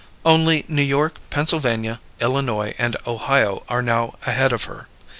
Only New York, Pennsylvania, Illinois, and Ohio are now ahead of her.